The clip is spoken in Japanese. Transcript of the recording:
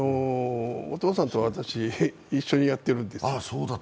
お父さんと私、一緒にやってるんですよ。